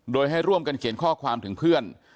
โดยให้ร่วมกันเขียนข้อความถึงเพื่อน